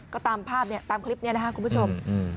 ก็ตามภาพเนี่ยตามคลิปนี้นะครับคุณผู้ชม